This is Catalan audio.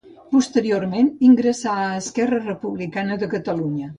Posteriorment ingressà a Esquerra Republicana de Catalunya.